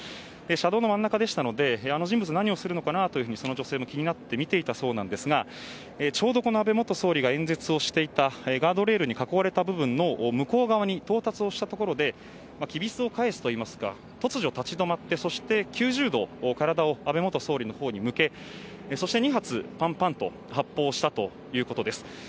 車道の真ん中でしたのであの人物、何をするのかなとその女性も気になって見ていたそうですがちょうど安倍元総理が演説をしていたガードレールに囲われた部分の向こう側に到達したところできびすを返すといいますか突如、立ち止まって９０度体を安倍元総理のほうに向けそして２発パンパンと発砲したということです。